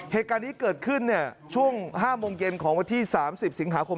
เหตุการณ์นี้เกิดขึ้นช่วง๕โมงเย็นของวันที่๓๐สิงหาคม